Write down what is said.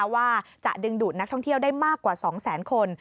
ว่าจะดึงดูดนักท่องเที่ยวได้มากกว่า๒แสนคน